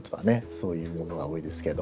そういうものが多いですけど。